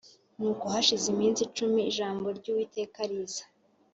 Nuko hashize iminsi cumi ijambo ry Uwiteka riza